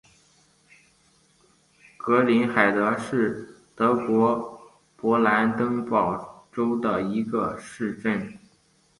格林海德是德国勃兰登堡州的一个市镇。